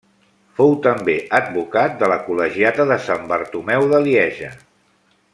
Fou també advocat de la col·legiata de Sant Bartomeu de Lieja.